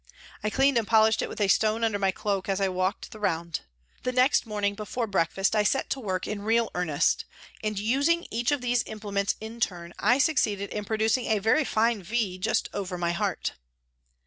I cleaned and polished it with a stone under my cloak as I walked the round. The next morning before breakfast I set to work in real earnest and, using each of these implements in turn, I succeeded in producing a very fine V just over my heart.